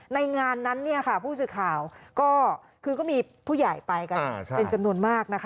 ในงานนั้นผู้สื่อข่าวก็คือก็มีผู้ใหญ่ไปกันเป็นจำนวนมากนะคะ